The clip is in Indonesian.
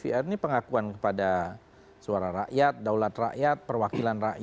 ini pengakuan kepada suara rakyat daulat rakyat perwakilan rakyat